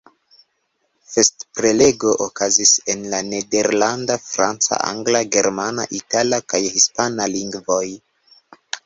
Festprelego okazis en la nederlanda, franca, angla, germana, itala kaj hispana lingvoj.